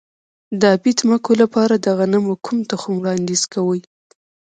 د ابي ځمکو لپاره د غنمو کوم تخم وړاندیز کوئ؟